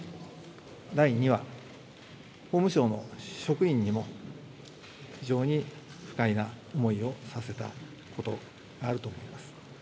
第２は、法務省の職員にも、非常に不快な思いをさせたことがあると思います。